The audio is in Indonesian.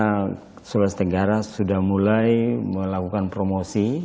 karena sulawesi tenggara sudah mulai melakukan promosi